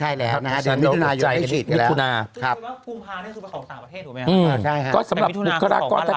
อยู่ในบุรกับมิถุนาครับ